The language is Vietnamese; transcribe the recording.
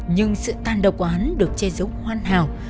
nhưng sự tàn độc của hắn được che giống hoàn hảo